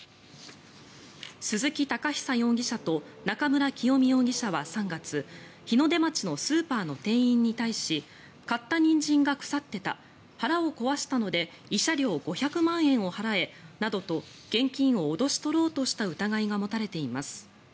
鈴木崇央容疑者と中村清美容疑者は３月日の出町のスーパーの店員に対し買ったニンジンが腐っていた腹を壊したので慰謝料５００万円を払えなどと現金を脅し取ろうとした疑いが持たれています。